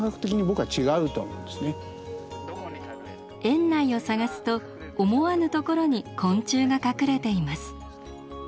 園内を探すと思わぬ所に昆虫が隠れています。